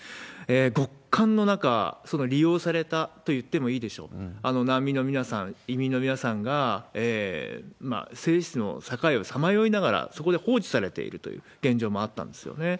極寒の中、その利用されたといってもいいでしょう、難民の皆さん、移民の皆さんが生死の境をさまよいながら、そこで放置されているという現状もあったんですよね。